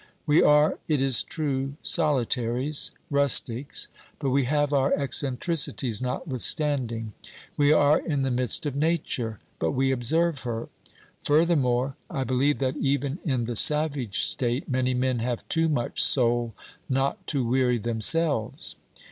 We are, it is true, solitaries, rustics, but we have our eccentricities notwithstanding ; we are in the midst of Nature, but we observe her. Furthermore, I believe that, even in the savage state, many men have too much soul not to weary themselves.